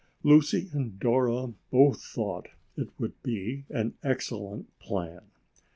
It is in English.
Lucy and Dora both thought it would be an excellent plan.